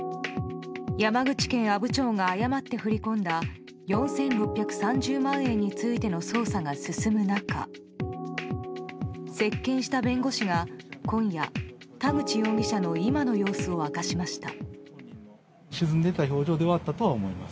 山口県阿武町が誤って振り込んだ４６３０万円についての捜査が進む中接見した弁護士が今夜、田口容疑者の今の様子を明かしました。